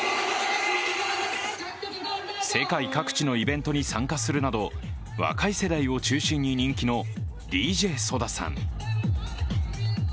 世界各地のイベントに参加するなど、若い世代を中心に人気のＤＪＳＯＤＡさん。